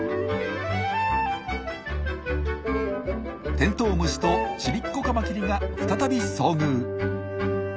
テントウムシとちびっこカマキリが再び遭遇。